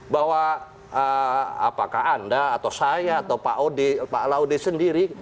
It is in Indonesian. bahwa apakah anda atau saya atau pak laude sendiri